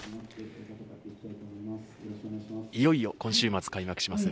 いよいよ今週末開幕します